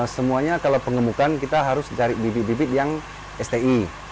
semuanya kalau pengemukan kita harus cari bibit bibit yang sti